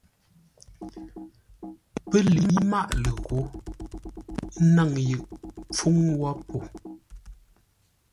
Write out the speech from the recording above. Pə́ lə̌i máʼ ləghǒ, ə́ náŋ yʉ pfuŋ wó po.